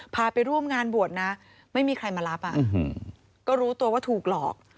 ไปร่วมงานบวชนะไม่มีใครมารับก็รู้ตัวว่าถูกหลอก